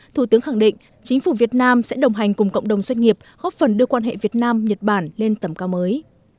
thủ tướng khẳng định chính phủ việt nam sẽ đồng hành cùng cộng đồng doanh nghiệp góp phần đưa quan hệ việt nam nhật bản lên tầm cao mới